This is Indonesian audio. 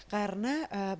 karena berdasarkan data